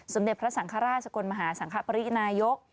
เด็จพระสังฆราชสกลมหาสังคปรินายก